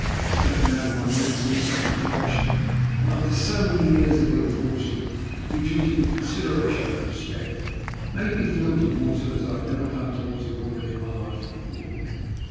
To be taken out of my miserable state of depression, and, after so many years of ill fortune, to be treated with consideration and respect, made me feel towards her as I had never done towards a woman in my life before.